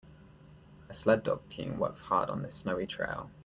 A sleddog team works hard on this snowy trail.